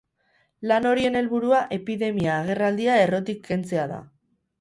Lan horien helburua epidemia-agerraldia errotik kentzea da.